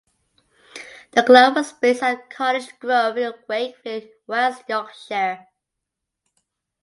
The club was based at College Grove in Wakefield, West Yorkshire.